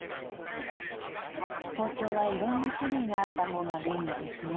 包丁はいろんな種類があったほうが便利ですね。